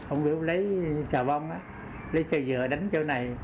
ông lấy xà bông lấy xe dừa đánh chỗ này